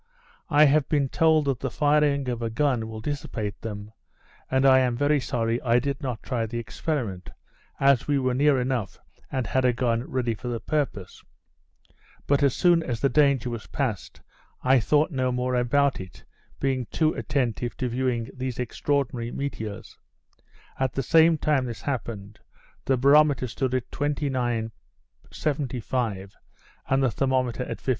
I have been told that the firing of a gun will dissipate them; and I am very sorry I did not try the experiment, as we were near enough, and had a gun ready for the purpose; but as soon as the danger was past, I thought no more about it, being too attentive in viewing these extraordinary meteors At the time this happened, the barometer stood at 29, 75, and the thermometer at 56.